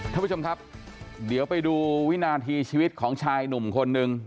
ท่านผู้ชมครับเดี๋ยวไปดูวินาทีชีวิตของชายหนุ่มคนนึง